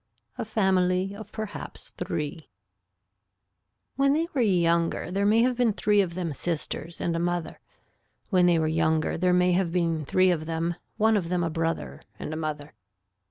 A FAMILY OF PERHAPS THREE When they were younger there may have been three of them sisters, and a mother. When they were younger there may have been three of them one of them a brother, and a mother.